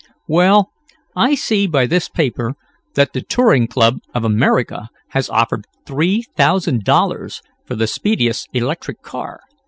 "Well, I see by this paper that the Touring Club of America has offered three thousand dollars for the speediest electric car.